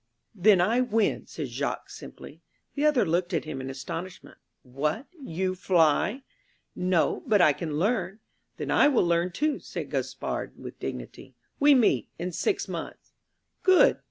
"Then I win," said Jacques simply. The other looked at him in astonishment. "What! You fly?" "No; but I can learn." "Then I will learn too," said Gaspard with dignity. "We meet in six months?" "Good."